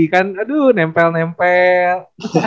kan aduh nempel nempel